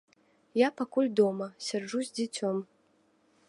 Я пакуль дома, сяджу з дзіцём.